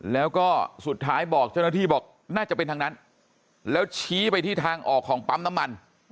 แล้วก็สุดท้ายบอกเจ้าหน้าที่บอกน่าจะเป็นทางนั้นแล้วชี้ไปที่ทางออกของปั๊มน้ำมัน